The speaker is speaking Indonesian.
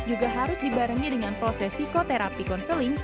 juga harus dibarengi dengan proses psikoterapi konseling